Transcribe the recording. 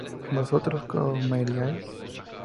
vosotros comeríais